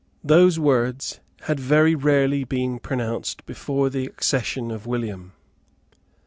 Those words had very rarely been pronounced before the accession of William.